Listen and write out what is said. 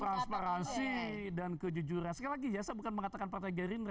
transparansi dan kejujuran sekali lagi ya saya bukan mengatakan partai gerindra